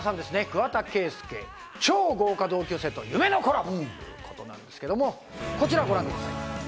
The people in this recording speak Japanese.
桑田佳祐、超豪華同級生と夢のコラボということですけど、こちらをご覧ください。